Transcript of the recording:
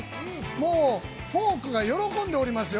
もうフォークが喜んでおりますよ。